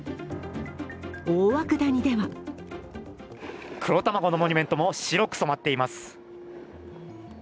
大涌谷では黒たまごのモニュメントも白く染まっています。